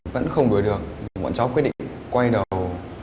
vẫn không đuổi được nhóm cháu quyết định quay đầu